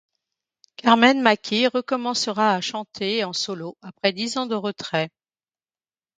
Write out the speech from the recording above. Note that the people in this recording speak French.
Carmen Maki recommencera à chanter en solo après dix ans de retrait.